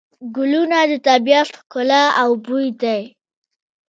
ګلونه د طبیعت ښکلا او بوی دی.